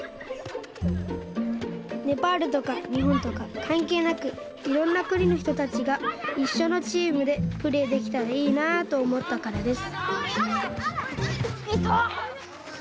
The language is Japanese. ネパールとかにほんとかかんけいなくいろんなくにのひとたちがいっしょのチームでプレーできたらいいなとおもったからです